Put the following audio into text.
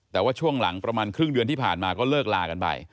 แต่ว่าช่วงหลังประมาณครึ่งเดือนที่ผ่านมาก็เลิกลากันไป